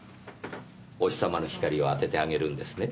お日様の光を当ててあげるんですね？